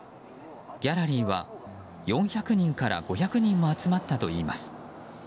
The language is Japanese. ギャラリーは４００人から５００人も集まったといいます。